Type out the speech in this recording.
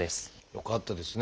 よかったですね。